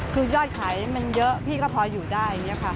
คือยอดขายมันเยอะพี่ก็พออยู่ได้อย่างนี้ค่ะ